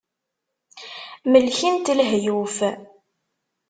Melken-t lehyuf.